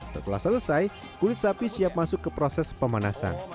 setelah selesai kulit sapi siap masuk ke proses pemanasan